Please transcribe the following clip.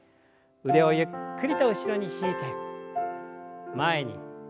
腕をゆっくりと後ろに引いて前に。